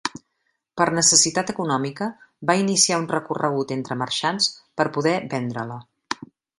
Per necessitat econòmica, va iniciar un recorregut entre marxants per poder vendre-la.